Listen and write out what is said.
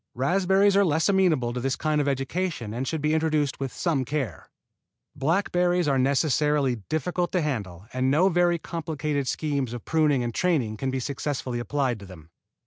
Raspberries are less amenable to this kind of education and should be introduced with some care. Blackberries are necessarily difficult to handle and no very complicated schemes of pruning and training can be successfully applied to them.